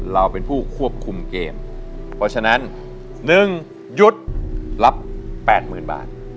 เราเป็นผู้ควบคุมเกมเพราะฉะนั้น๑ยุทธ์รับ๘๐๐๐บาท